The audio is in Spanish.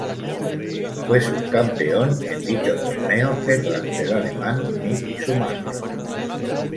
Fue subcampeón en dicho torneo, detrás del alemán Mick Schumacher.